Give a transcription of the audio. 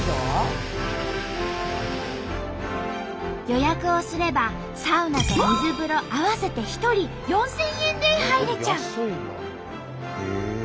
予約をすればサウナと水風呂合わせて１人４，０００円で入れちゃう。